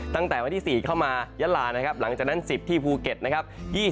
ตั้งแต่วันที่๔เข้ามายะลานะครับหลังจากนั้น๑๐ที่ภูเก็ตนะครับ